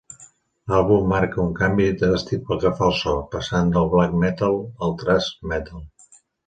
L'àlbum va marcar un canvi dràstic pel que fa al so, passant del "black metal" al "thrash metal".